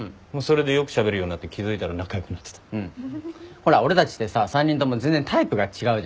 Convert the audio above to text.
ほら俺たちってさ３人とも全然タイプが違うじゃん。